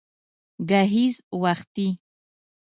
گهيځ وختي